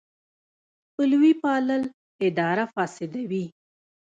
خپلوي پالل اداره فاسدوي.